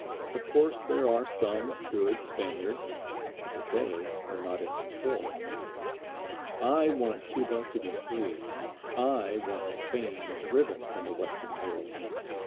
Of course there are some good Spaniards, but they are not in control. I want Cuba to be free. I want Spain driven from the Western World.